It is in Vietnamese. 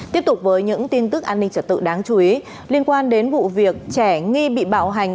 tiếp tục với những tin tức an ninh trật tự đáng chú ý liên quan đến vụ việc trẻ nghi bị bạo hành